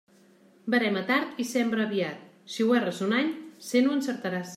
Verema tard i sembra aviat; si ho erres un any, cent ho encertaràs.